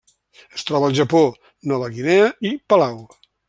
Es troba al Japó, Nova Guinea i Palau.